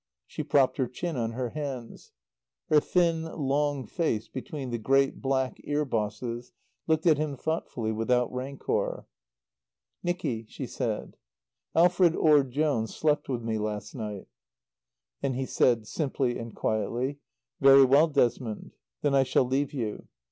She propped her chin on her hands. Her thin, long face, between the great black ear bosses, looked at him thoughtfully, without rancour. "Nicky," she said, "Alfred Orde Jones slept with me last night." And he said, simply and quietly, "Very well, Desmond; then I shall leave you.